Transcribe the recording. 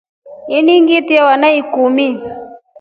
Ini ngite vana ikumi.